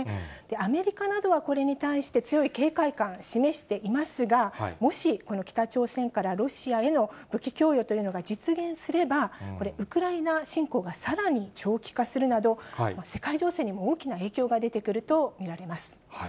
アメリカなどはこれに対して強い警戒感、示していますが、もし、この北朝鮮からロシアへの武器供与というのが実現すれば、これ、ウクライナ侵攻がさらに長期化するなど、世界情勢にも大きな影響が出てくると見られます。